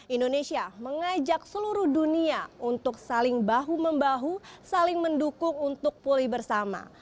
indonesia mengajak seluruh dunia untuk saling bahu membahu saling mendukung untuk pulih bersama